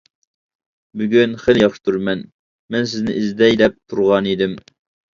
بۈگۈن خېلى ياخشى تۇرىمەن، مەن سىزنى ئىزدەي دەپ تۇرغانىدىم.